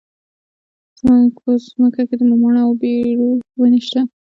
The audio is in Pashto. زموږ په ځمکه کې د مماڼو او بیرو ونې شته.